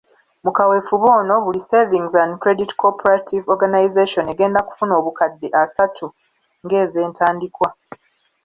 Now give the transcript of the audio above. Mu kaweefube ono buli Savings and Credit Cooperative Organisation egenda kufuna obukadde asatu ng'ezentandikwa.